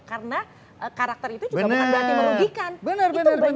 karena karakter itu juga bukan berarti merugikan